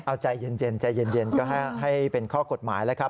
เอาใจเย็นใจเย็นก็ให้เป็นข้อกฎหมายแล้วครับ